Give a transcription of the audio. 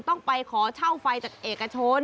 ต้องไปขอเช่าไฟจากเอกชน